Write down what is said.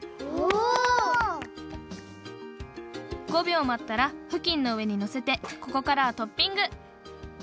５びょうまったらふきんのうえにのせてここからはトッピング！